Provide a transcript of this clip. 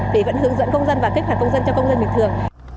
thì vẫn hướng dẫn công dân và kích hoạt công dân cho công dân bình thường